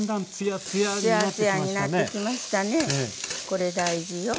これ大事よ。